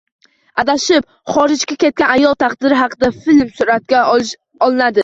Adashib xorijga ketgan ayol taqdiri haqida film suratga olinadi